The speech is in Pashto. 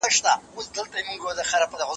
مثبت فکر کار نه زیانمنوي.